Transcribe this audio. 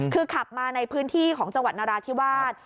คือขับมาในพื้นที่ของจังหวัดนราธิวาส